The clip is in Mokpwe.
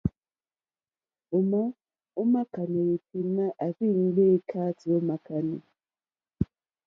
Òmá ò mà kánɛ́ yêténá à rzí ŋgbè èkáàtì à màkánɛ́.